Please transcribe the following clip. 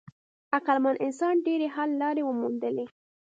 عقلمن انسان ډېرې حل لارې وموندلې.